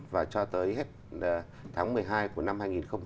và cho tới hết tháng một mươi hai của năm hai nghìn một mươi sáu